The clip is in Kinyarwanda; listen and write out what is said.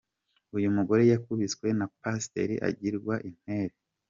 Uyu mugore yakubiswe na pasiteri agirwa intere.